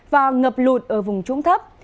và ngập lụt ở vùng trung thấp